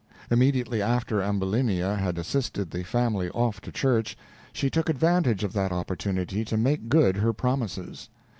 Immediately after Ambulinia had assisted the family off to church, she took advantage of that opportunity to make good her promises.